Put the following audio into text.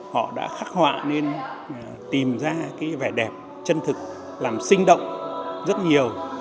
họ đã khắc họa nên tìm ra cái vẻ đẹp chân thực làm sinh động rất nhiều